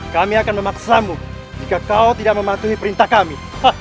kami akan memaksamu jika kau tidak mematuhi perintah kami